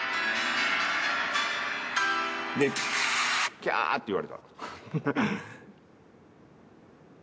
キャーッて言われた。